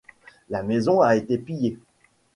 La maison a été pillée.